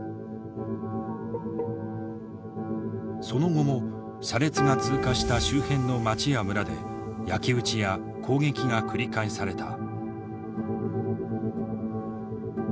その後も車列が通過した周辺の町や村で焼き打ちや攻撃が繰り返された。